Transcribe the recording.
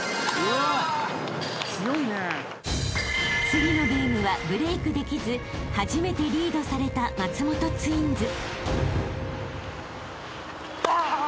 ［次のゲームはブレイクできず初めてリードされた松本ツインズ］